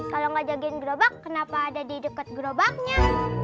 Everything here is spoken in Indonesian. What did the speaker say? kalau ngajakin gerobak kenapa ada di dekat gerobaknya